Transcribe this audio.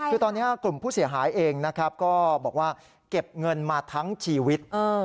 คือตอนนี้กลุ่มผู้เสียหายเองนะครับก็บอกว่าเก็บเงินมาทั้งชีวิต